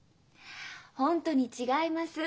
本当に違います。